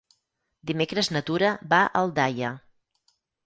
Dimecres na Tura va a Aldaia.